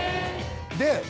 で。